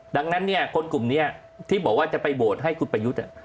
ดังนั้นเนี่ยคนกลุ่มนี้ที่บอกว่าจะไปโหวตให้คุณประยุทธ์